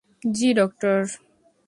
জি, doctor.